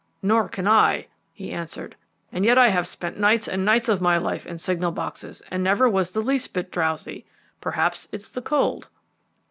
"Nor can I," he answered, "and yet I have spent nights and nights of my life in signal boxes and never was the least bit drowsy; perhaps it's the cold."